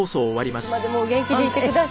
いつまでもお元気でいてください。